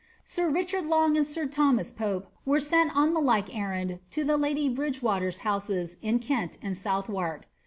Sir Richard Long and sir Thomas Pope were sent on the like errand to the lady Bridge water's houses in Kent and Southwark.